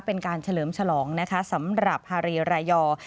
เป็นการเฉลิมฉลองนะคะสำหรับฮารีรายอร์